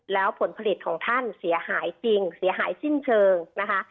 แล้วผลผลิตของท่านเสียหายจริงเสียหายสิ้นเชิงนะคะ